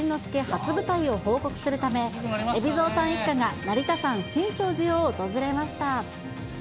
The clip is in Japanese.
初舞台を報告するため、海老蔵さん一家が成田山新勝寺を訪れました。